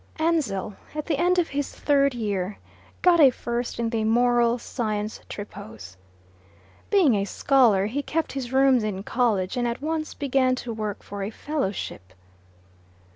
Ansell, at the end of his third year, got a first in the Moral Science Tripos. Being a scholar, he kept his rooms in college, and at once began to work for a Fellowship.